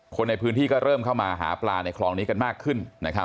คนในพื้นที่ก็เริ่มเข้ามาหาปลาในคลองนี้กันมากขึ้น